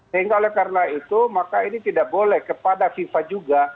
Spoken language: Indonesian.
sehingga oleh karena itu maka ini tidak boleh kepada fifa juga